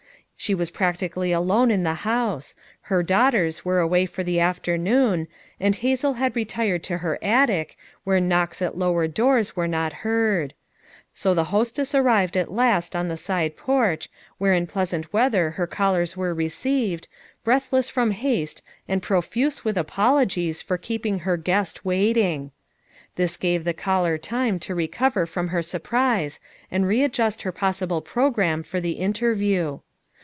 She was practically alone in the house ; her daughters were away for the after 252 FOUR MOTHERS AT CHAUTAUQUA noon, and Hazel had retired to her attic, where knocks at lower doors were not heard; so the hostess arrived at last on the side porch, where in pleasant weather her callers were received, breathless from haste and profuse with apologies for keeping her guest waiting. This gave the caller time to recover from her sur prise and readjust her possible program for the interview.